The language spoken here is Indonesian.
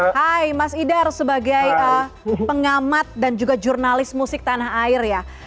hai mas idar sebagai pengamat dan juga jurnalis musik tanah air ya